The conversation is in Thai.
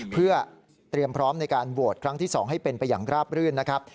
เพื่อเตรียมพร้อมในการโหวตครั้งที่๒ให้เป็นไปอย่างราบรื่นนะครับ